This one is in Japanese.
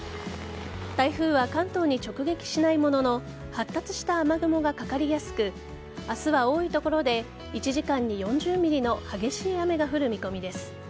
台風は関東に直撃しないものの発達した雨雲がかかりやすく明日は多い所で１時間に４０ｍｍの激しい雨が降る見込みです。